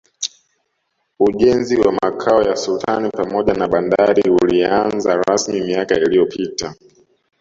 Ujenzi wa Makao ya Sultani pamoja na bandari ulianza rasmi miaka iliyopita